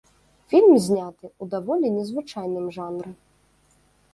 Фільм зняты ў даволі незвычайным жанры.